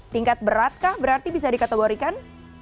tingkat beratkah berarti bisa dikategorikan